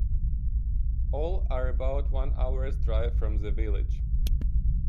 All are about one hour's drive from the village.